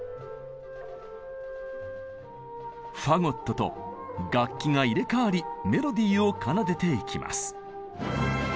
と楽器が入れ代わりメロディーを奏でていきます。